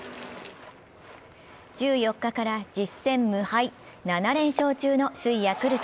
１４日から１０戦無敗、７連勝中の首位ヤクルト。